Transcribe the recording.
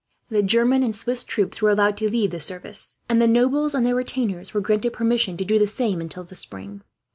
The German and Swiss troops were allowed to leave the service, and the nobles and their retainers were granted permission to do the same, until the spring.